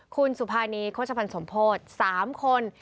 คุณสุภานีโฆษภัณฑ์สมโพธิ๓คน